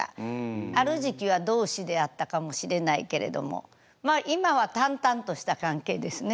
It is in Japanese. ある時期は同志であったかもしれないけれどもまあ今は淡々とした関係ですね。